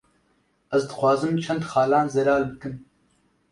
Ez dixwazim çend xalan zelal bikim